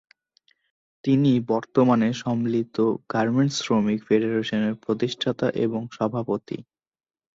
তিনি বর্তমানে সম্মিলিত গার্মেন্টস শ্রমিক ফেডারেশনের প্রতিষ্ঠাতা এবং সভাপতি।